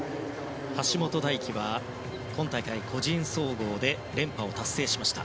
橋本大輝は、今大会個人総合で連覇を達成しました。